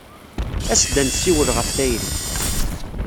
As-d ad nessiwel ɣef tayri.